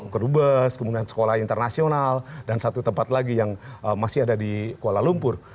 kedubes kemudian sekolah internasional dan satu tempat lagi yang masih ada di kuala lumpur